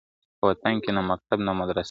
په وطن کي نه مکتب نه مدرسه وي ..